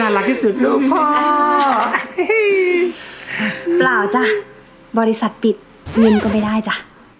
รักที่สุดลูกพ่อเปล่าจ้ะบริษัทปิดเงินก็ไม่ได้จ้ะ